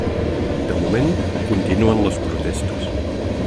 De moment, continuen les protestes.